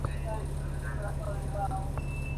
তাঁহার দর্শনে উপনিষদের যথেষ্ট প্রভাব দেখিতে পাওয়া যায়।